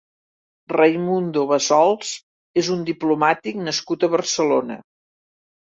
Raimundo Bassols és un diplomàtic nascut a Barcelona.